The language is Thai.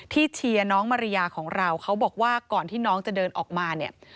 เชียร์น้องมาริยาของเราเขาบอกว่าก่อนที่น้องจะเดินออกมาเนี่ย